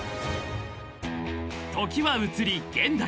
［時は移り現代］